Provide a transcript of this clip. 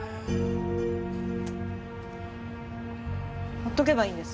放っておけばいいんです。